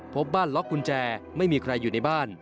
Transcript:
พบบ้านล็อกกุญแจไม่มีใครอยู่ในบ้าน